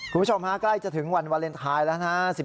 คุณผู้ชมฮะใกล้จะถึงวันวาเลนไทยแล้วนะฮะ